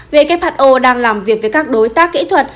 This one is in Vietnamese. who đang làm việc với các đối tác kỹ thuật